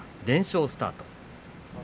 連勝スタート。